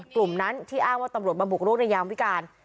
กลุ่มนั้นที่อ้างว่าตำรวจมาบุกรุกในยามวิการ